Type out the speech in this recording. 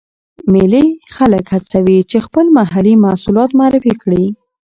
مېلې خلک هڅوي، چې خپل محلې محصولات معرفي کړي.